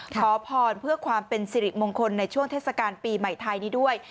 ขอพรเพื่อความเป็นสิริมงคลในช่วงเทศกาลปีใหม่ไทยนี้ด้วย